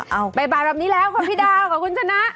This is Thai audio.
เอ้าบ๊ายบายแบบนี้แล้วค่ะพี่ดาวขอบคุณจนน่ะ